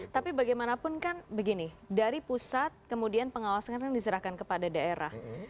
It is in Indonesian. tapi bagaimanapun kan begini dari pusat kemudian pengawasan kan diserahkan kepada daerah